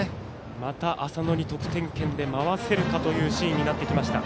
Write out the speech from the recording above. また浅野に得点圏で回せるかというシーンになってきました。